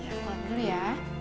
sini aku mau keluar dulu ya